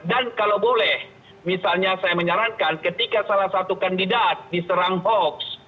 dan kalau boleh misalnya saya menyarankan ketika salah satu kandidat diserang hoax